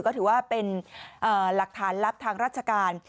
ก็ถือว่าเป็นหลักฐานลับทางราชการ